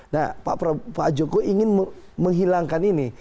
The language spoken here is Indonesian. nah pak jokowi ingin menghilangkan ini